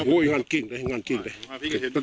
โอ้ยงานเก่งเลยงานเก่งเลย